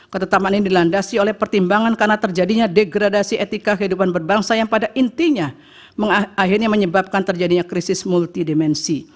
ketetapan ini dilandasi oleh pertimbangan karena terjadinya degradasi etika kehidupan berbangsa yang pada intinya akhirnya menyebabkan terjadinya krisis multidimensi